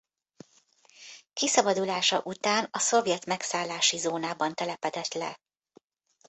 Kiszabadulása után a szovjet megszállási zónában telepedett le.